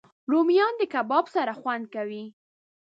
رومیان د کباب سره خوند کوي